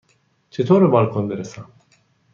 چطور به بالکن برسم؟